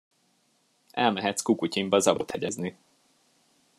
Elmehetsz Kukutyinba zabot hegyezni.